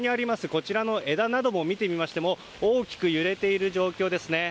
こちらの枝などを見てみましても大きく揺れている状況ですね。